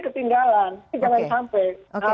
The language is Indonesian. ketinggalan jangan sampai